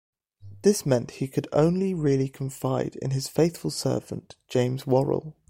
This meant he could only really confide in his faithful servant, James Worrell.